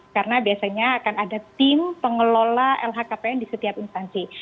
karena biasanya akan ada tim pengelola lhkpn di setiap instansi